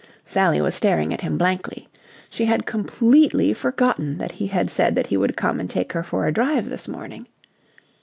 Sally was staring at him blankly. She had completely forgotten that he had said that he would come and take her for a drive this morning.